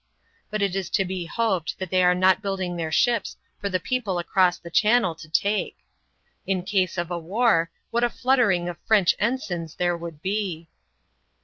But it is to be hoped that they are not building their ships for the people across the Channel to take. In case of a war, what a fluttering of French ensigns ihere would be